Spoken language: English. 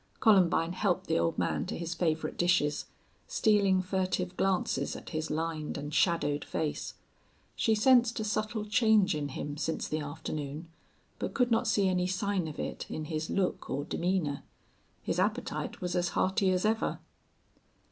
Columbine helped the old man to his favorite dishes, stealing furtive glances at his lined and shadowed face. She sensed a subtle change in him since the afternoon, but could not see any sign of it in his look or demeanor. His appetite was as hearty as ever.